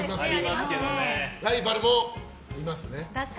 でもライバルもいますね。